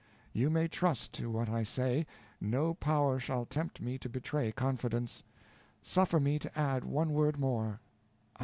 _ You may trust to what I say, no power shall tempt me to betray confidence. Suffer me to add one word more.